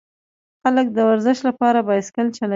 خلک د ورزش لپاره بایسکل چلوي.